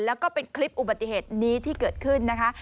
แล้วก็เป็นคลิปอุบัติเหตุนี้ที่เกิดขึ้นนะคะ